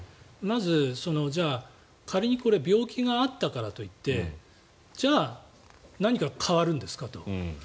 まず仮に病気があったからといってじゃあ、何か変わるんですかと。